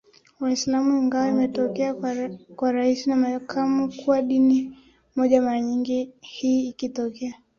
Waislamu ingawa imetokea kwa Rais na Makamu kuwa dini moja mara nyingi hii ikitokea